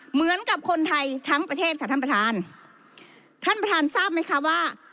เหมือนกับคนไทยทั้งประเทศค่ะท่านประธานท่านประธานทราบไหมคะว่า